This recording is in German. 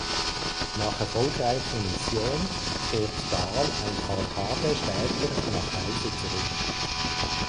Nach erfolgreicher Mission kehrt Dahl ein paar Tage später nach Hause zurück.